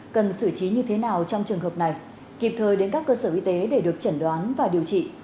cần xử trí như thế nào trong trường hợp này kịp thời đến các cơ sở y tế để được chẩn đoán và điều trị